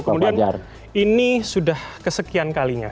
kemudian ini sudah kesekian kalinya